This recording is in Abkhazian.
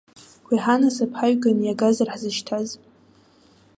Уи ҳанасыԥ ҳаҩган иагазар ҳзышьҭаз?!